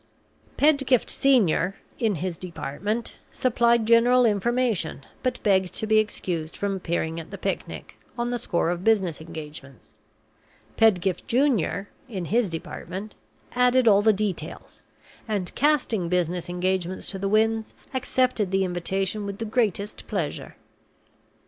Pedgift Senior (in his department) supplied general information, but begged to be excused from appearing at the picnic, on the score of business engagements. Pedgift Junior (in his department) added all the details; and, casting business engagements to the winds, accepted the invitation with the greatest pleasure.